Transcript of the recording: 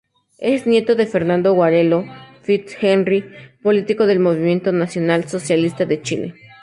Es nieto de Fernando Guarello Fitz-Henry, político del Movimiento Nacional-Socialista de Chile.